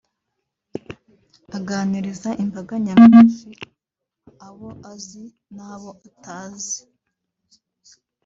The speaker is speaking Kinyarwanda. aganiriza imbaga nyamwinshi abo azi n’abo atazi